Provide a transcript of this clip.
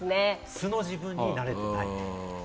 素の自分になれていない。